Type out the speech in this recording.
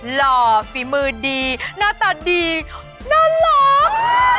หล่อฝีมือดีหน้าตาดีน่ารัก